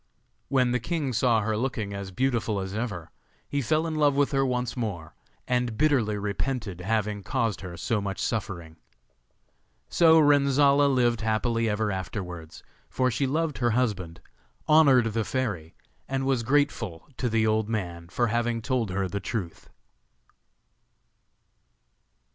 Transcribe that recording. When the king saw her looking as beautiful as ever, he fell in love with her once more, and bitterly repented having caused her so much suffering. So Renzolla lived happily ever afterwards, for she loved her husband, honoured the fairy, and was grateful to the old man for having told her the truth.